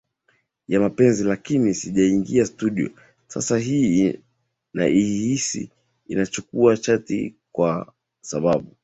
ya mapenzi lakini sijaingia studio Sasa hii naihisi inachukua chati kwa sababu